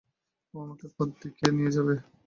ও আমাকে পথ দেখিয়ে নিয়ে যাবে।